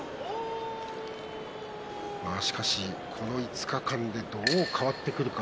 しかし、この５日間でどう変わってくるか。